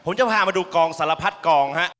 มาดูกองสารพัดกองฮะ